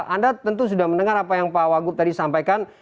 anda tentu sudah mendengar apa yang pak wagub tadi sampaikan